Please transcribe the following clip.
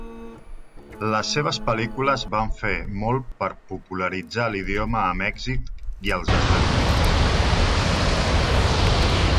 Les seves pel·lícules van fer molt per popularitzar l'idioma a Mèxic i als Estats Units.